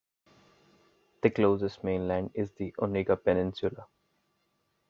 The closest mainland is the Onega Peninsula.